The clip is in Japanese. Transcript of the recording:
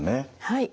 はい。